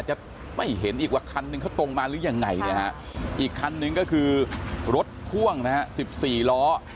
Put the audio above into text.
จะไม่เห็นอีกว่าคันนึงเขาตรงมาหรือยังไงนะฮะอีกคันนึงก็คือรถพ่วงนะฮะ๑๔ล้อ